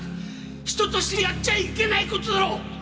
人としてやっちゃいけない事だろう！